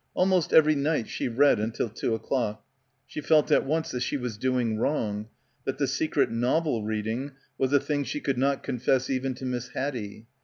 Almost every night she read until two o'clock. She felt at once that she was doing wrong; that the secret novel reading was a thing she could not confess, even to Miss Haddie.